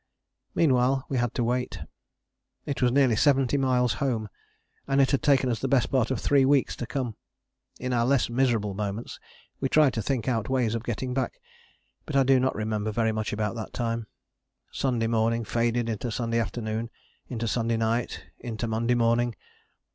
Meanwhile we had to wait. It was nearly 70 miles home and it had taken us the best part of three weeks to come. In our less miserable moments we tried to think out ways of getting back, but I do not remember very much about that time. Sunday morning faded into Sunday afternoon, into Sunday night, into Monday morning.